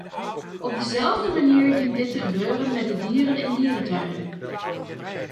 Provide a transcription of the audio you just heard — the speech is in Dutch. Op dezelfde manier dient dit te gebeuren met de dieren in dierentuinen.